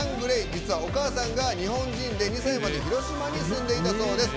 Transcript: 実はお母さんが日本人で２歳まで広島に住んでいたそうです。